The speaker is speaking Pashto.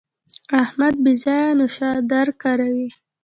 احمد بې ځایه نوشادر کاروي.